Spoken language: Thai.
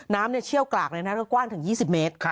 น้ำเนี่ยเชี่ยวกรากนะครับกว้างถึง๒๐เมตร